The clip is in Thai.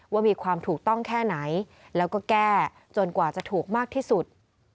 ว่ามีความถูกต้องแค่ไหนแล้วก็แก้จนกว่าจะถูกมากที่สุด